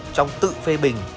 trong tự phê bình